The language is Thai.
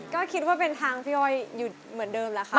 ก็คิดว่าเป็นทางอ้อยอยู่เหมือนเดิ้มละครับ